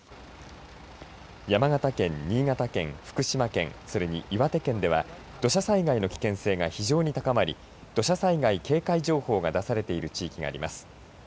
山形県、新潟県、福島県それに岩手県では土砂災害の危険性が非常に高まり土砂災害警戒情報が出されている地域があります。